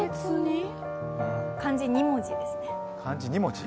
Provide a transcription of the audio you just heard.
漢字２文字ですね。